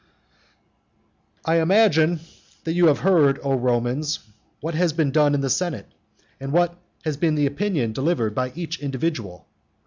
I imagine that you have heard, O Romans, what has been done in the senate, and what has been the opinion delivered by each individual.